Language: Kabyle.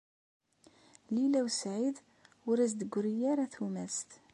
Lila u Saɛid ur as-d-teggri ara tumast.